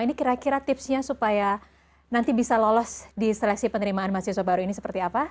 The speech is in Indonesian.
ini kira kira tipsnya supaya nanti bisa lolos di seleksi penerimaan mahasiswa baru ini seperti apa